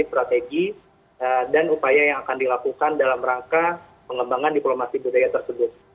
strategi dan upaya yang akan dilakukan dalam rangka mengembangkan diplomasi budaya tersebut